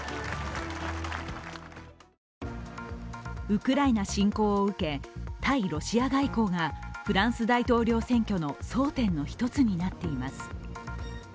ウクライナ侵攻を受け、対ロシア外交がフランス大統領選挙の争点の１つになっています。